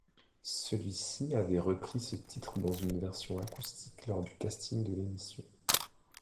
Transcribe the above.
Celui-ci avait repris ce titre dans une version acoustique lors du casting de l'émission.